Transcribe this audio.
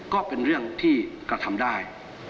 ก็เป็นเรื่องที่กระทำได้